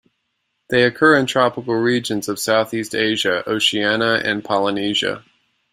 They occur in tropical regions of Southeast Asia, Oceania and Polynesia.